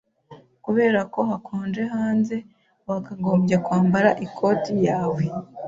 Kubera ko hakonje hanze, wakagombye kwambara ikoti yawe.